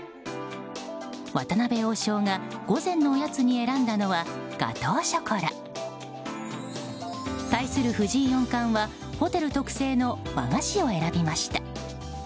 渡辺王将が午前のおやつに選んだのはガトーショコラ。対する藤井四冠はホテル特製の和菓子を選びました。